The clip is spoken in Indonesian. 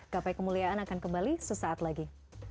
gapai kemuliaan akan kembali sesaat lagi